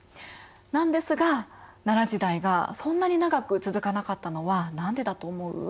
なんですが奈良時代がそんなに長く続かなかったのは何でだと思う？